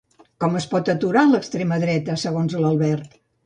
Com es pot aturar l'extrema dreta, segons Albert?